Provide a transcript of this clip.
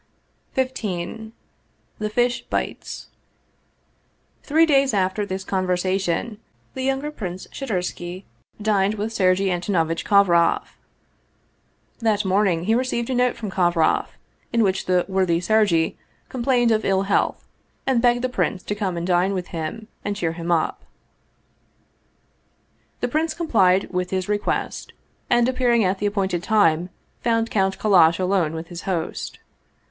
" XV THE FISH BITES THREE days after this conversation the younger prince Shadursky dined with Sergei Antonovitch Kovroff. That morning he received a note from Kovroff, in which the worthy Sergei complained of ill health and begged the prince to come and dine with him and cheer him up. The prince complied with his request, and appearing at the appointed time found Count Kallash alone with his host.